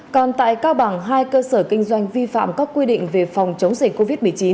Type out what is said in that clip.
còn tại cao bằng hai cơ sở kinh doanh vi phạm các quy định về phòng chống dịch covid một mươi chín